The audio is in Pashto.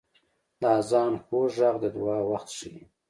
• د آذان خوږ ږغ د دعا وخت ښيي.